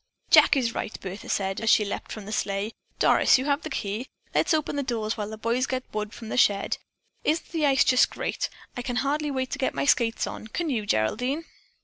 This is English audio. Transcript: "Jack is right," Bertha said as she leaped from the sleigh. "Doris, you have the key. Let's open the doors while the boys get wood from the shed. Isn't the ice just great? I can hardly wait to get my skates on, can you, Geraldine?"